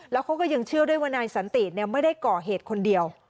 แล้วเขาก็ยังเชื่อด้วยว่านายสันติไม่ได้ก่อเหตุคนเดียว